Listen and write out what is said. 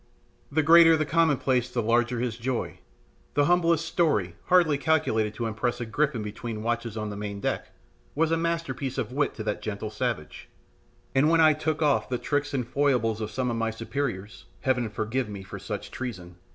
The greater the commonplace the larger his joy. The humblest story, hardly calculated to impress a griffin between watches on the main deck, was a masterpiece of wit to that gentle savage; and when I "took off" the tricks and foibles of some of my superiors Heaven forgive me for such treason!